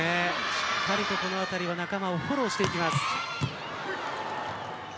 しっかりとこのあたりで仲間をフォローしていきます。